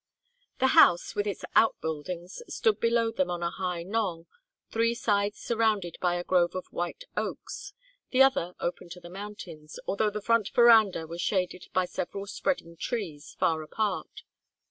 The house with its out buildings stood below them on a high knoll, three sides surrounded by a grove of white oaks, the other open to the mountains, although the front veranda was shaded by several spreading trees, far apart.